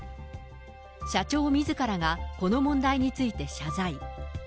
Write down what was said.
社長みずからがこの問題について謝罪。